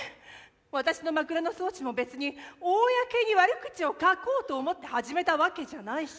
私の「枕草子」も別に公に悪口を書こうと思って始めたわけじゃないし。